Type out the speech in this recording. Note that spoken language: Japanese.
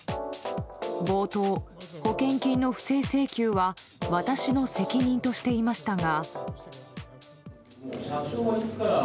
冒頭、保険金の不正請求は私の責任としていましたが。